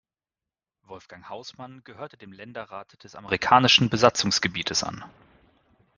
Wolfgang Haußmann gehörte dem Länderrat des amerikanischen Besatzungsgebietes an.